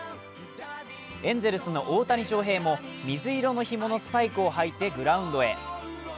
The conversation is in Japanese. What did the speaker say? エンゼルスの大谷翔平も水色のひものスパイクを履いてグラウンドへ。